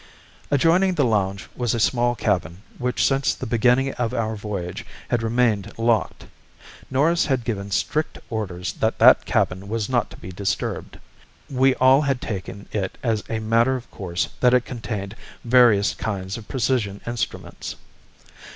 Adjoining the lounge was a small cabin which since the beginning of our voyage had remained locked. Norris had given strict orders that that cabin was not to be disturbed. We all had taken it as a matter of course that it contained various kinds of precision instruments.